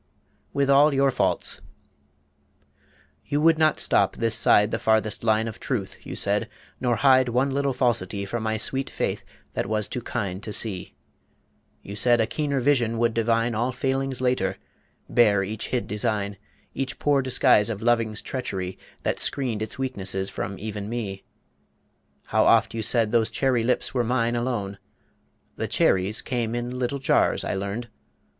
WITH ALL YOUR FAULTS You would not stop this side the farthest line Of Truth, you said, nor hide one little falsity From my sweet faith that was too kind to see. You said a keener vision would divine All failings later, bare each hid design, Each poor disguise of loving's treachery That screened its weaknesses from even me. How oft you said those cherry lips were mine Alone. The cherries came in little jars, I learned.